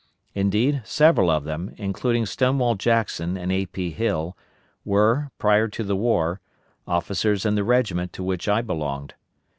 Indeed, several of them, including Stonewall Jackson and A. P. Hill, were, prior to the war, officers in the regiment to which I belonged.